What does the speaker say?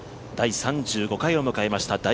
第３５回を迎えました